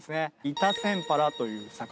イタセンパラという魚。